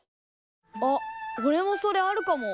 あっおれもそれあるかも。